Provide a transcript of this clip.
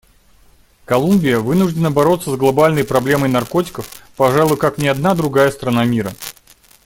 Колумбия вынуждена бороться с глобальной проблемой наркотиков, пожалуй, как ни одна другая страна мира.